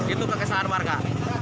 itu kekesahan warga